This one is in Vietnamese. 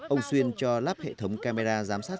ông xuyên giữ lại toàn bộ cây xanh cổ thụ